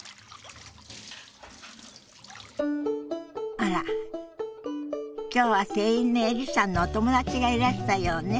あら今日は店員のエリさんのお友達がいらしたようね。